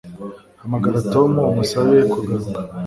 Hamagara Tom umusabe kugaruka